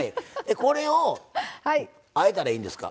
これをあえたらいいんですか。